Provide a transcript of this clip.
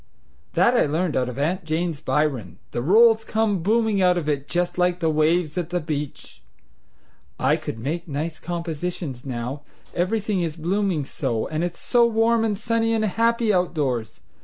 that I learned out of Aunt Jane's Byron; the rolls come booming out of it just like the waves at the beach.... I could make nice compositions now, everything is blooming so, and it's so warm and sunny and happy outdoors.